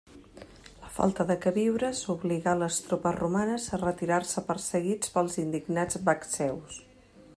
La falta de queviures obligà les tropes romanes a retirar-se perseguits pels indignats vacceus.